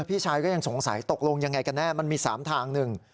พี่ชายก็ยังสงสัยตกลงอย่างไรกันแน่มันมี๓ทาง